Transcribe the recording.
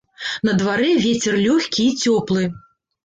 На дварэ вецер лёгкі й цёплы.